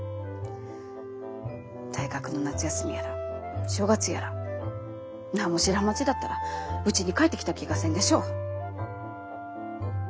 大学の夏休みやら正月やら何も知らん町だったらうちに帰ってきた気がせんでしょう。